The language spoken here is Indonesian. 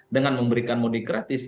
dengan memberikan mudik gratis